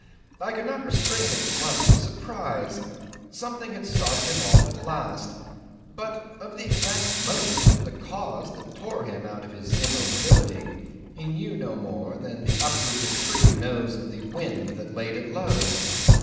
I could not restrain a grunt of surprise. Something had started him off at last, but of the exact moment, of the cause that tore him out of his immobility, he knew no more than the uprooted tree knows of the wind that laid it low.